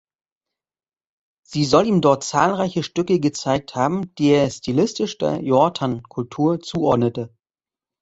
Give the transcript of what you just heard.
Sie soll ihm dort zahlreiche Stücke gezeigt haben, die er stilistisch der Yortan-Kultur zuordnete.